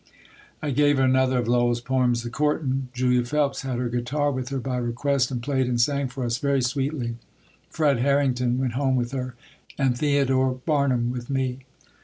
I gave another of Lowell's poems, "The Courtin'." Julia Phelps had her guitar with her by request and played and sang for us very sweetly. Fred Harrington went home with her and Theodore Barnum with me.